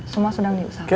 semua sudah menyusahkan